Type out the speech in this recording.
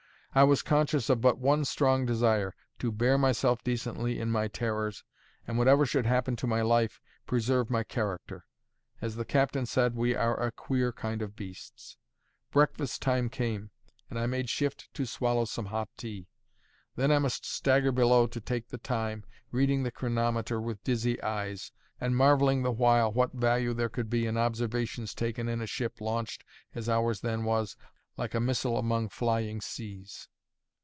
I was conscious of but one strong desire, to bear myself decently in my terrors, and whatever should happen to my life, preserve my character: as the captain said, we are a queer kind of beasts. Breakfast time came, and I made shift to swallow some hot tea. Then I must stagger below to take the time, reading the chronometer with dizzy eyes, and marvelling the while what value there could be in observations taken in a ship launched (as ours then was) like a missile among flying seas.